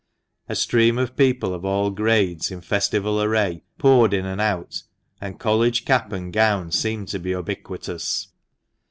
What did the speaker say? A stream of people of all grades, in festival array, poured in and out, and College cap and gown seemed to be ubiquitous.